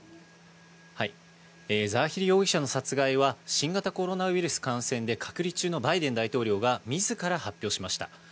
ザワヒリ容疑者の殺害は新型コロナウイルス感染で隔離中のバイデン大統領がみずから発表しました。